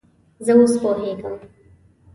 زه اوس پوهیږم